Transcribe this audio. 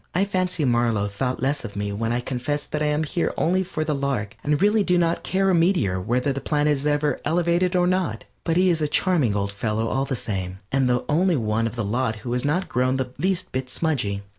I fancy Marlow thought less of me when I confessed that I am here only for the lark, and really do not care a meteor whether the planet is ever elevated or not. But he is a charming old fellow all the same, and the only one of the lot who has not grown the least bit smudgy.